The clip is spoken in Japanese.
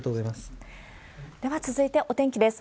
では続いて、お天気です。